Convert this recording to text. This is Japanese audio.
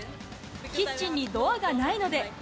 キッチンにドアがないので。